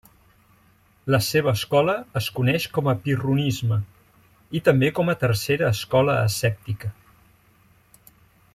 La seva escola es coneix com a Pirronisme i també com a tercera escola escèptica.